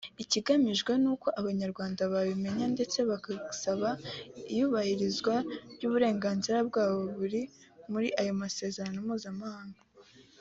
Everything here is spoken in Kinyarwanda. Ikigamijwe ni uko Abanyarwanda babimenya ndetse bagasaba iyubahirizwa ry’uburenganzira bwabo buri muri ayo masezerano mpuzamahanga